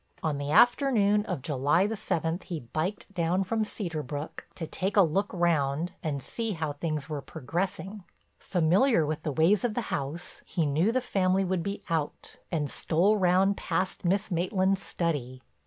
On the afternoon of July the seventh he biked down from Cedar Brook to take a look round and see how things were progressing. Familiar with the ways of the house, he knew the family would be out and stole round past Miss Maitland's study.